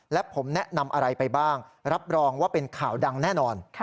และผมแนะนำอะไรไปบ้างรับรองว่าเป็นข่าวดังแน่นอน